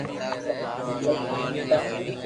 اوري ماتا ھي